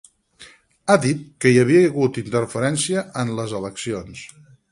Ha dit que hi havia hagut una interferència en les eleccions.